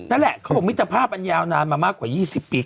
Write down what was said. นั่นแหละมิตรภาพชาวจีนอยู่ดีมากว่า๒๐ปี